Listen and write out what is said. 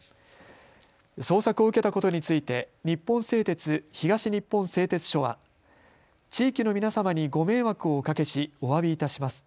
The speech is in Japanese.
捜索を受けたことについて日本製鉄東日本製鉄所は地域の皆様にご迷惑をおかけしお詫びいたします。